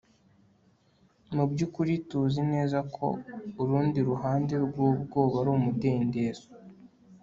mu byukuri tuzi neza ko urundi ruhande rw'ubwoba ari umudendezo